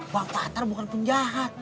bang patar bukan pak penjahat